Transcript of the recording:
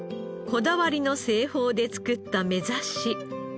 こだわりの製法で作っためざし。